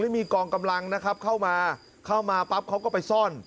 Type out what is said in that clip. ไม่มีกองกำลังนะครับเข้ามาเข้ามาปั๊บเขาก็ไปซ่อน